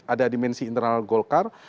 ada dimensi internal golkar